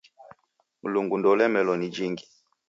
Mlungu ndoulemelo ni jingi!